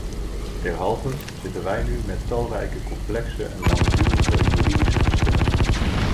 Derhalve zitten wij nu met talrijke complexe en langdurige juridische geschillen.